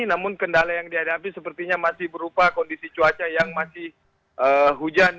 namun kendala yang dihadapi sepertinya masih berupa kondisi cuaca yang masih hujan